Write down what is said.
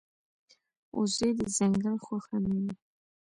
وزې د ځنګل خوښه نه وي